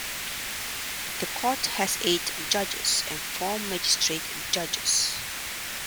The court has eight judges and four magistrate judges.